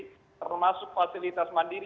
termasuk fasilitas mandiri